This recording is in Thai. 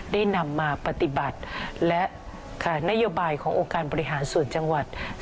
ได้นำมาปฏิบัติและนโยบายขององค์การบริหารส่วนจังหวัด